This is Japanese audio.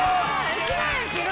１万円切る。